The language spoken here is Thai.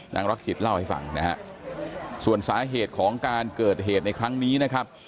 รักจิตเล่าให้ฟังนะฮะส่วนสาเหตุของการเกิดเหตุในครั้งนี้นะครับ